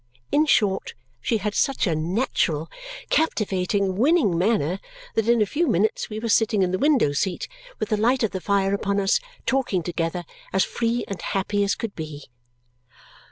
In short, she had such a natural, captivating, winning manner that in a few minutes we were sitting in the window seat, with the light of the fire upon us, talking together as free and happy as could be.